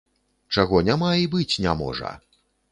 Чаго няма і быць не можа.